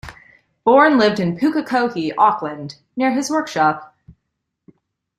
Bourne lived in Pukekohe, Auckland, near his workshop.